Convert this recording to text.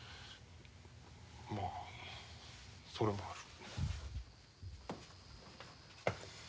まあそれもある。